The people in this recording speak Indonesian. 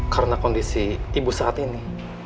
karena kondisi ibu saat ini